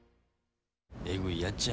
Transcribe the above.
えぐいやっちゃ。